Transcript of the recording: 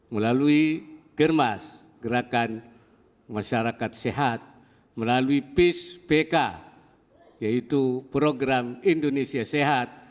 melalui germas gerakan masyarakat sehat melalui pispk yaitu program indonesia sehat